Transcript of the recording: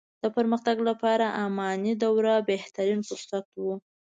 د پرمختګ لپاره اماني دوره بهترين فرصت وو.